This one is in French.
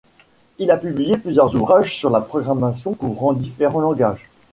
Il a publié plusieurs ouvrages sur la programmation couvrant différents langages.